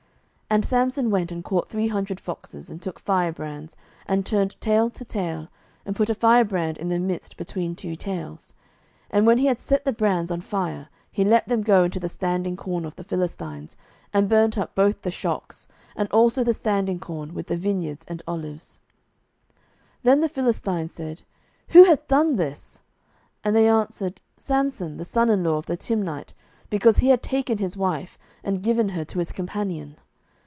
07:015:004 And Samson went and caught three hundred foxes, and took firebrands, and turned tail to tail, and put a firebrand in the midst between two tails. 07:015:005 And when he had set the brands on fire, he let them go into the standing corn of the Philistines, and burnt up both the shocks, and also the standing corn, with the vineyards and olives. 07:015:006 Then the Philistines said, Who hath done this? And they answered, Samson, the son in law of the Timnite, because he had taken his wife, and given her to his companion.